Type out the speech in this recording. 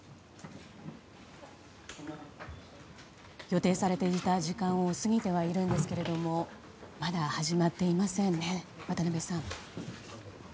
予定されていた時間を過ぎてはいるんですけれどまだ始まっていませんね渡辺さん。